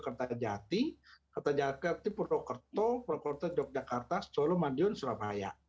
kota kejati kota jakarta purwokerto purwokerto yogyakarta solo mandiun surabaya